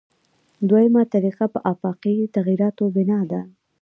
دویمه طریقه په آفاقي تغییراتو بنا ده.